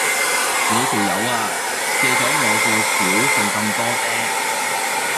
你條友呀，借完我過橋仲咁多嗲